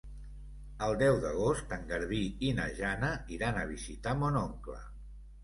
El deu d'agost en Garbí i na Jana iran a visitar mon oncle.